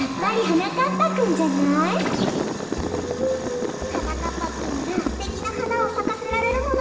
はなかっぱくんならすてきなはなをさかせられるものね。